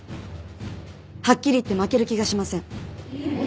はっきり言って負ける気がしません。